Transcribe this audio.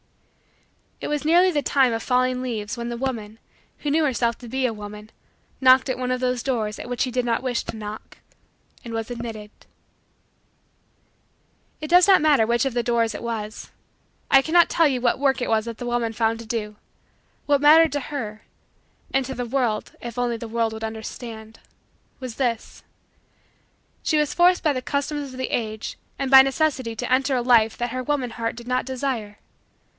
It was nearly the time of falling leaves when the woman, who knew herself to be a woman, knocked at one of those doors, at which she did not wish to knock, and was admitted. It does not matter which of the doors it was. I cannot tell you what work it was that the woman found to do. What mattered to her and to the world if only the world would understand was this: that she was forced by the customs of the age and by necessity to enter a life that her woman heart did not desire.